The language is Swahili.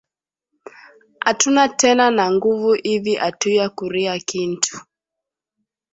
Atuna tena na nguvu ivi atuya kuria kintu